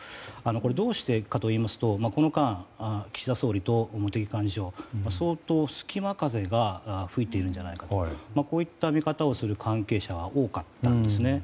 どうしてかといいますとこの間、岸田総理と茂木幹事長は相当、隙間風が吹いているんじゃないかとこういった見方をする関係者が多かったんですね。